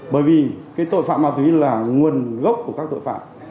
bởi vì cái tội phạm ma túy là nguồn gốc của các tội phạm